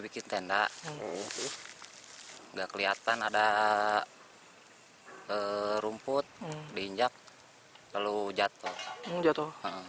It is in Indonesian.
tidak kelihatan ada rumput diinjak lalu jatuh